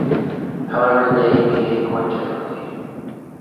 However, they behave quite differently.